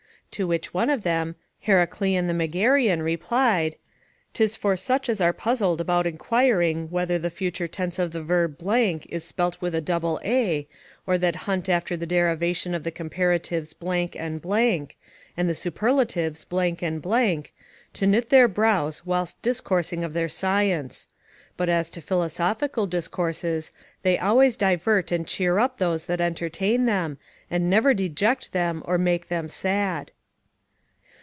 To which one of them, Heracleon the Megarean, replied: "Tis for such as are puzzled about inquiring whether the future tense of the verb is spelt with a double A, or that hunt after the derivation of the comparatives and , and the superlatives and , to knit their brows whilst discoursing of their science: but as to philosophical discourses, they always divert and cheer up those that entertain them, and never deject them or make them sad."